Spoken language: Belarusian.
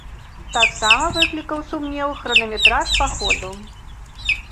Таксама выклікаў сумнеў хранаметраж паходу.